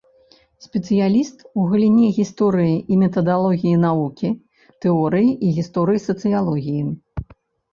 Спецыяліст у галіне гісторыі і метадалогіі навукі, тэорыі і гісторыі сацыялогіі.